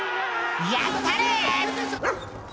やったれ！